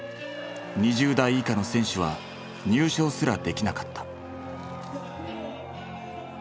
２０代以下の選手は入賞すらできなかった。